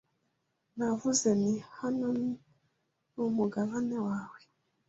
Navuze nti Hano ni umugabane wawe